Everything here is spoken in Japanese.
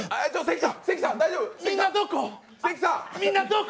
みんなどこ？